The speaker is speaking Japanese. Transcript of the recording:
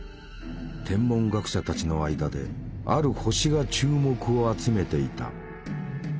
天文学者たちの間である星が注目を集めていた。